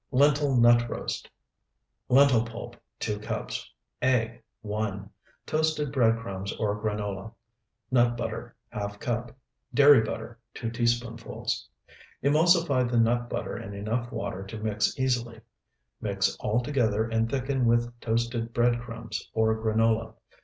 LENTIL NUT ROAST Lentil pulp, 2 cups. Egg, 1. Toasted bread crumbs or granola. Nut butter, ½ cup. Dairy butter, 2 teaspoonfuls. Emulsify the nut butter in enough water to mix easily. Mix all together and thicken with toasted bread crumbs or granola.